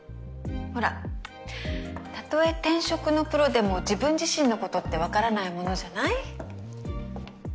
ほらたとえ転職のプロでも自分自身のことってわからないものじゃない？